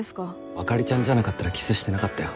あかりちゃんじゃなかったらキスしてなかったよ